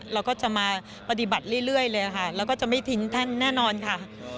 เราก็จะมาปฏิบัติเรื่อยเลยค่ะแล้วก็จะไม่ทิ้งท่านแน่นอนค่ะ